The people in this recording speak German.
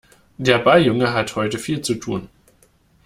Der Balljunge hat heute viel zu tun.